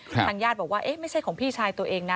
ทางญาติบอกว่าเอ๊ะไม่ใช่ของพี่ชายตัวเองนะ